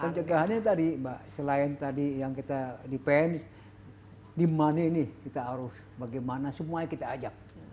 pencegahannya tadi selain tadi yang kita pengecekan di mana ini kita harus bagaimana semuanya kita ajak